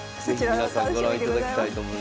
是非皆さんご覧いただきたいと思います。